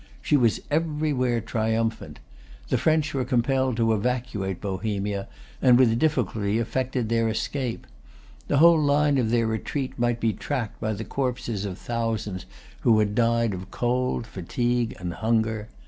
She was everywhere triumphant. The French were compelled to evacuate Bohemia, and with difficulty effected their escape. The whole line of their retreat might be tracked by the corpses of thousands who had died of cold, fatigue, and hunger.